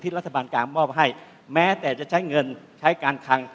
รัฐบาลกลางมอบให้แม้แต่จะใช้เงินใช้การคัง